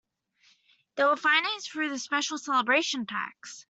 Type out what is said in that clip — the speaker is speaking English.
They were financed through a special celebration tax.